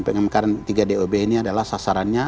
pengemkar tiga dob ini adalah sasarannya